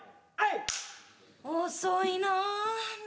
「遅いな」